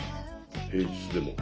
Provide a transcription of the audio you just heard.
平日でも。